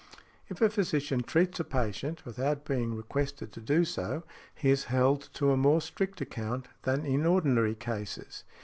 If a physician treats a patient without being requested so to do, he is held to a more strict account than in ordinary cases.